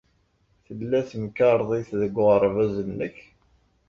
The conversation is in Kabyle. Tella temkarḍit deg uɣerbaz-nnek?